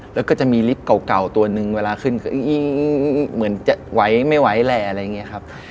แล้วก็จะมีลิฟต์เก่าตัวนึงเวลาขึ้นก็เหมือนจะไหวไม่ไหวแหละอะไรอย่างนี้ครับ